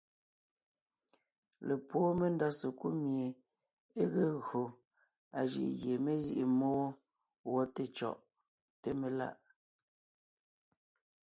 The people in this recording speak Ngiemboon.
Lepwóon mendá sekúd mie é ge gÿo a jʉʼ gie mé zîʼi mmó wó gwɔ té cyɔ̀ʼ, té melà’.